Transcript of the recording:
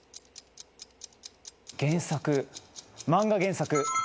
原作漫画原作。